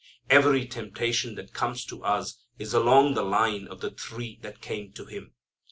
Every temptation that comes to us is along the line of the three that came to Him.